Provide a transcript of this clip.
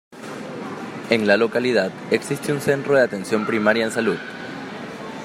El la localidad existe un centro de atención primaria en salud.